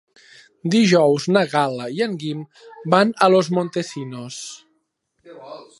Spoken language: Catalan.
Dijous na Gal·la i en Guim van a Los Montesinos.